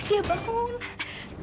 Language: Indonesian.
aku panggil dia